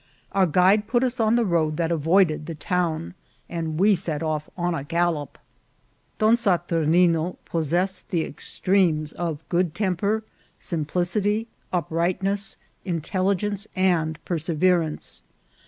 Our guide put us into the road that avoided the town, and we set off on a gallop. Don Saturnine possessed the extremes of good tem per, simplicity, uprightness, intelligence, and perseve rance.